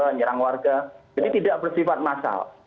menyerang warga jadi tidak bersifat massal